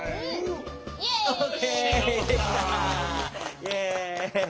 イエイ。